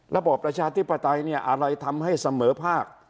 ระบอบประชาธิปไตยเนี่ยอะไรทำให้เสมอภาค